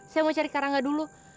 saya mau cari karangga dulu